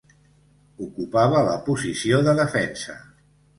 Ocupava la posició de defensa.